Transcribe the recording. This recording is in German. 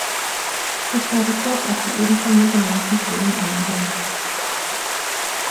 Ich werde kurz auf die eben von mir genannten Themen eingehen.